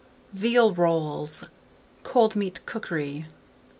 VEAL ROLLS (Cold Meat Cookery).